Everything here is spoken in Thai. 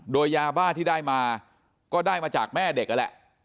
โดยยาบ้าที่ได้มาก็ได้มาจากแม่เด็กนั่นแหละ